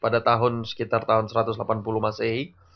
pada tahun sekitar satu ratus delapan puluh masei